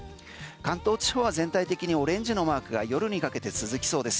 関東地方は全体的にオレンジのマークが夜にかけて続きそうです。